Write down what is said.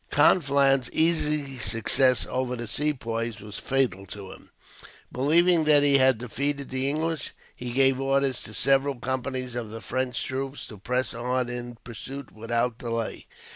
Conflans' easy success over the Sepoys was fatal to him. Believing that he had defeated the English, he gave orders to several companies of the French troops to press on in pursuit, without delay.